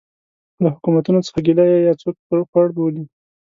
له حکومتونو څه ګیله یا یې څوک پړ بولي.